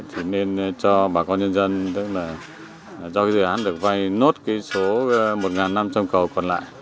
thì nên cho bà con nhân dân tức là cho cái dự án được vay nốt cái số một năm trăm linh cầu còn lại